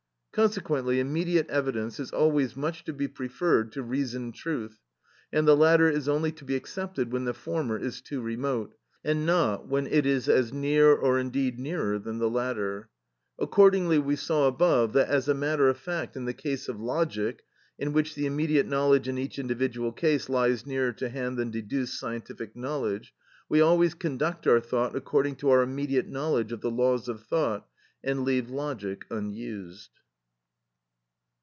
Consequently immediate evidence is always much to be preferred to reasoned truth, and the latter is only to be accepted when the former is too remote, and not when it is as near or indeed nearer than the latter. Accordingly we saw above that, as a matter of fact, in the case of logic, in which the immediate knowledge in each individual case lies nearer to hand than deduced scientific knowledge, we always conduct our thought according to our immediate knowledge of the laws of thought, and leave logic unused.